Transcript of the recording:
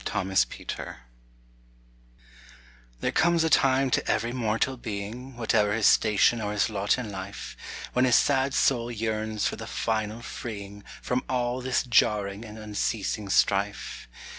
THERE COMES A TIME There comes a time to every mortal being, Whate'er his station or his lot in life, When his sad soul yearns for the final freeing From all this jarring and unceasing strife.